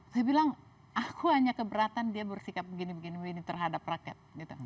saya bilang aku hanya keberatan dia bersikap begini begini terhadap rakyat